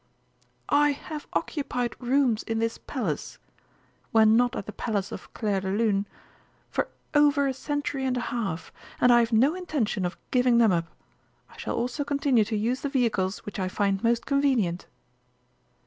"I have occupied rooms in this Palace when not at the Palace of Clairdelune for over a century and a half, and I have no intention of giving them up. I shall also continue to use the vehicles which I find most convenient."